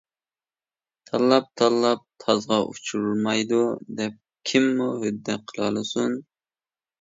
تاللاپ تاللاپ تازغا «ئۇچرىمايدۇ» دەپ كىممۇ ھۆددە قىلالىسۇن.